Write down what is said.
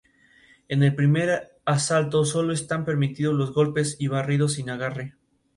Se han encontrado fósiles en Alemania, China y Australia.